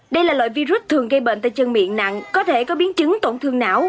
đây là loại virus thường gây bệnh tay chân miệng nặng có thể có biến chứng tổn thương não